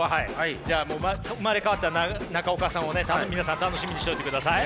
じゃあ生まれ変わった中岡さんをね皆さん楽しみにしておいてください。